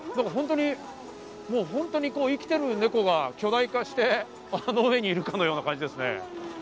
本当に生きているネコが巨大化して、あの上にいるかのようですね。